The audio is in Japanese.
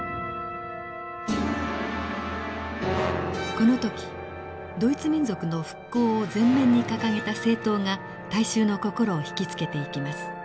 この時ドイツ民族の復興を前面に掲げた政党が大衆の心を引き付けていきます。